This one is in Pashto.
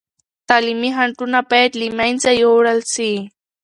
تعلیمي خنډونه باید له منځه یوړل سي.